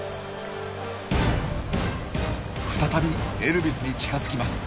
再びエルビスに近づきます。